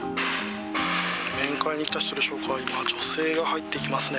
面会に来た人でしょうか、今、女性が入っていきますね。